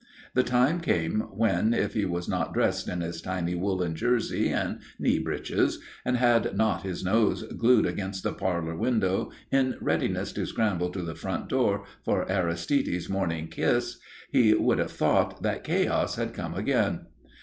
The time came when, if he was not dressed in his tiny woollen jersey and knee breeches and had not his nose glued against the parlour window in readiness to scramble to the front door for Aristide's morning kiss, he would have thought that chaos had come again.